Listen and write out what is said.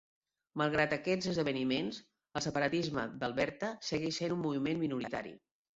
Malgrat aquests esdeveniments, el separatisme d'Alberta segueix sent un moviment minoritari.